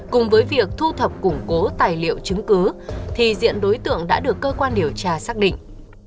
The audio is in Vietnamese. cùng với việc thu thập củng cố tài liệu chứng cứ thì diện đối tượng đã được cơ quan điều tra xác định